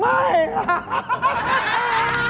เป็นอะไรนี่